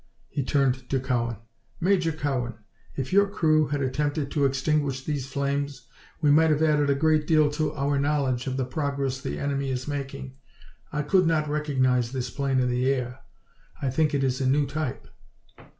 He turned to Cowan. "Major Cowan, if your crew had attempted to extinguish these flames we might have added a great deal to our knowledge of the progress the enemy is making. I could not recognize this plane in the air. I think it is a new type."